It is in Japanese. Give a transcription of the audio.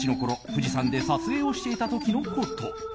富士山で撮影をしていた時のこと。